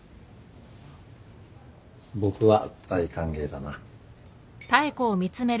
僕は大歓迎だな。